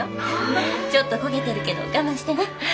ちょっと焦げてるけど我慢してね。